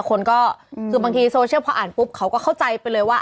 คนก็คือบางทีโซเชียลพออ่านปุ๊บเขาก็เข้าใจไปเลยว่า